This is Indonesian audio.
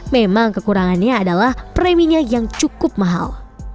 memang kekurangannya adalah preminya yang cukup mahal